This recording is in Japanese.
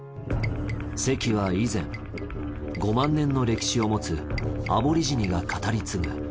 関は以前５万年の歴史をもつアボリジニが語り継ぐ